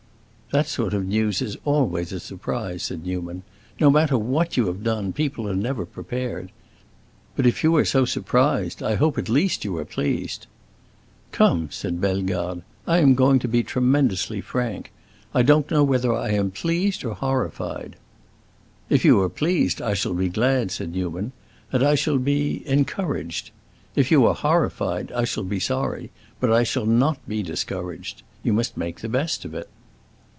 "That sort of news is always a surprise," said Newman. "No matter what you have done, people are never prepared. But if you are so surprised, I hope at least you are pleased." "Come!" said Bellegarde. "I am going to be tremendously frank. I don't know whether I am pleased or horrified." "If you are pleased, I shall be glad," said Newman, "and I shall be—encouraged. If you are horrified, I shall be sorry, but I shall not be discouraged. You must make the best of it."